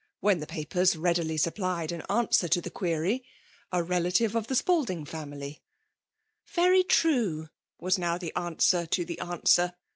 *' when the papers teidilj supplied an answer to the query —^'» J«Wiw of the Spalding faaai^ly/' "Veiy tnte;\ i» now the answer to the answer